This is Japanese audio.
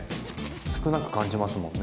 少なく感じますもんね。